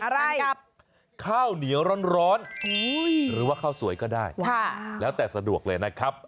อะไรกับข้าวเหนียวร้อนหรือว่าข้าวสวยก็ได้แล้วแต่สะดวกเลยนะครับ